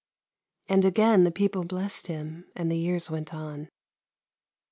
And again the people blessed him ; and the years went on.